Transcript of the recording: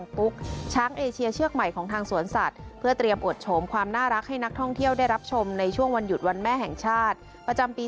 ทางสวนสัตว์เพื่อเตรียมอดโฉมความน่ารักให้นักท่องเที่ยวได้รับชมในช่วงวันหยุดวันแม่แห่งชาติประจำปี